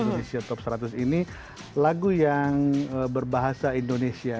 indonesia top seratus ini lagu yang berbahasa indonesia